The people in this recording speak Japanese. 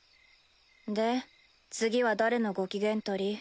で次は誰のご機嫌取り？